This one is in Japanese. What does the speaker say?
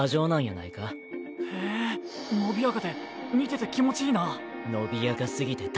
へえ伸びやかで見てて気持ちいいな。